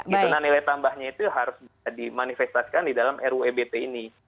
dan nilai tambahnya itu harus dimanifestasikan di dalam ruu ebt ini